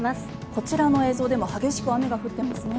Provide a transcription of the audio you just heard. こちらの映像でも激しく雨が降っていますね。